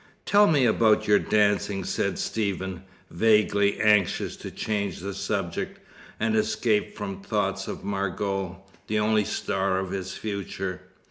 "Tell me about your dancing," said Stephen, vaguely anxious to change the subject, and escape from thoughts of Margot, the only star of his future.